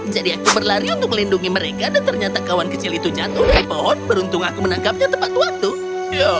jadi aku berlari untuk melindungi mereka dan ternyata kawan kecil itu jatuh di pohon beruntung aku menangkapnya tepat waktu